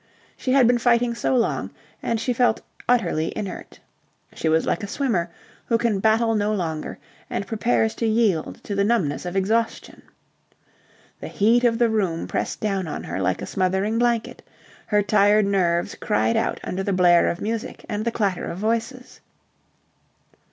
She had been fighting so long, and she felt utterly inert. She was like a swimmer who can battle no longer and prepares to yield to the numbness of exhaustion. The heat of the room pressed down on her like a smothering blanket. Her tired nerves cried out under the blare of music and the clatter of voices.